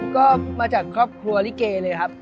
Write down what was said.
ก็มาจากครอบครัวลิเกเลยครับ